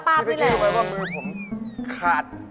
พี่เบ๊กกี้หมายว่ามือผมขาด